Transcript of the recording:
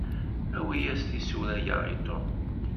Awi-yas tisura-ya i Tom.